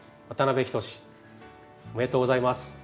おめでとうございます。